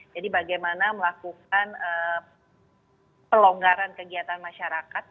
jadi bagaimana melakukan pelonggaran kegiatan masyarakat